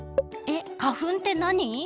えっ花粉ってなに？